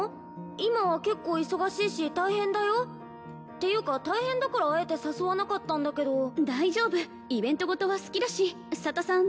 今は結構忙しいし大変だよっていうか大変だからあえて誘わなかったんだけど大丈夫イベントごとは好きだし佐田さん